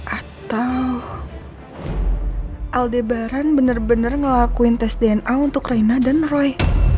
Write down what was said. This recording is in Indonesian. atau aldebaran bener bener ngelakuin tes dna untuk raina dan roy